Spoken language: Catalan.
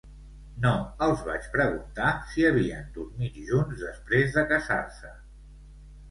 No els vaig preguntar si havien dormit junts després de casar-se .